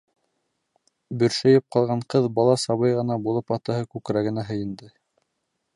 Бөршәйеп ҡалған ҡыҙ бала сабый ғына булып атаһы күкрәгенә һыйынды.